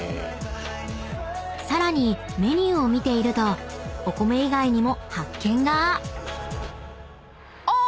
［さらにメニューを見ているとお米以外にも発見が］あっ！